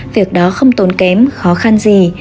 việc đó không tốn kém khó khăn gì